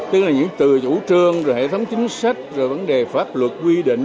tức là những từ chủ trương rồi hệ thống chính sách rồi vấn đề pháp luật quy định